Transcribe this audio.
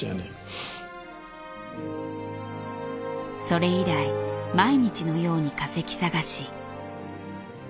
それ以来毎日のように化石探し。